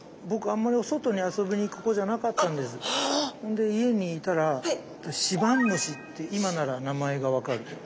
で家にいたらシバンムシって今なら名前が分かるけど。